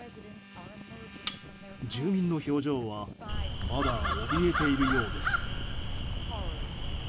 住民の表情はまだおびえているようです。